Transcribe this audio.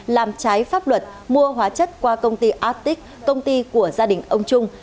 làm trái pháp luật mua hóa chất qua công ty atic công ty của gia đình ông trung